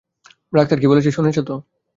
Doctor কী বলেছে শুনেছ তো?